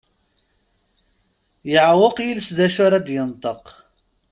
Yeɛweq yiles d acu ara d-yenṭeq.